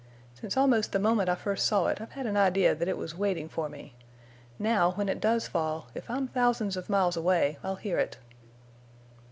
Since almost the moment I first saw it I've had an idea that it was waiting for me. Now, when it does fall, if I'm thousands of miles away, I'll hear it."